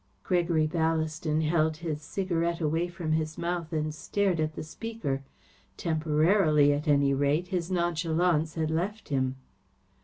Gregory Ballaston held his cigarette away from his mouth and stared at the speaker. Temporarily, at any rate, his nonchalance had left him.